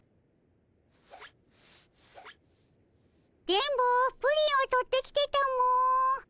電ボプリンを取ってきてたも。